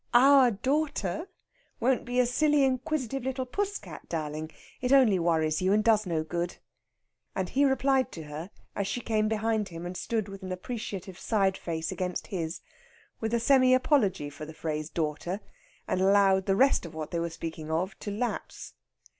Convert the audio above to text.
"Our daughter won't be a silly inquisitive little puss cat, darling. It only worries you, and does no good." And he replied to her, as she came behind him and stood with an appreciative side face against his, with a semi apology for the phrase "daughter," and allowed the rest of what they were speaking of to lapse.